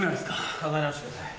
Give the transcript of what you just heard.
考え直してください。